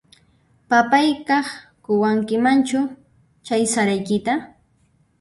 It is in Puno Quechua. Papayqaq quwankimanchu chay saraykita?